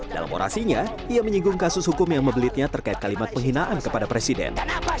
dalam orasinya ia menyinggung kasus hukum yang membelitnya terkait kalimat penghinaan kepada presiden